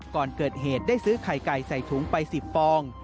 ก่อนเกิดเหตุได้ซื้อไข่ไก่ใส่ถุงไป๑๐ฟอง